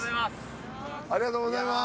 ありがとうございます。